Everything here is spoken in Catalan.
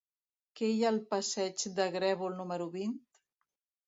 Què hi ha al passeig del Grèvol número vint?